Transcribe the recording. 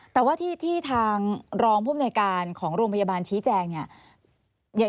แต่ว่าที่ทางรองภูมิหน่วยการของโรงพยาบาลชี้แจงเนี่ย